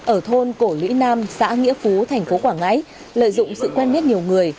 ở thôn cổ lũy nam xã nghĩa phú thành phố quảng ngãi lợi dụng sự quen biết nhiều người